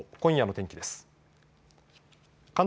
あすの天気です。